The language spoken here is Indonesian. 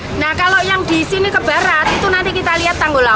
kita lakukan adalah kita pakai tanggul